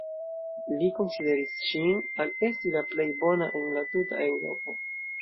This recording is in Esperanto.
Li konsideris ŝin al esti la plej bona en la tuta Eŭropo.